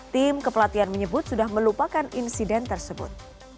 tim kepelatihan menyebut sudah melupakan insiden tersebut